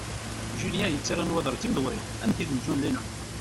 Julien yettarra nnwaḍer d timdewwrin am tid n John Lennon.